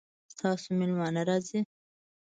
ستاسو میلمانه راځي؟